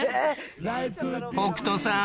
北斗さん